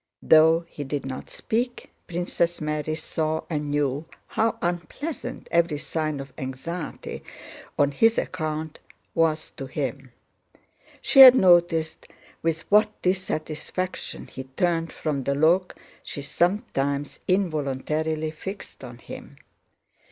Though he did not speak, Princess Mary saw and knew how unpleasant every sign of anxiety on his account was to him. She had noticed with what dissatisfaction he turned from the look she sometimes involuntarily fixed on him.